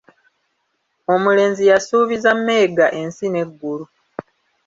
Omulenzi yasuubiza mega ensi n'eggulu.